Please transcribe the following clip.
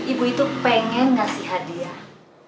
ibu itu pengen ngasih hadiah